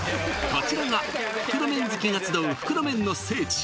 こちらが袋麺好きが集う袋麺の聖地